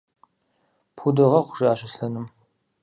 – Пхудогъэгъу, – жиӀащ Аслъэным.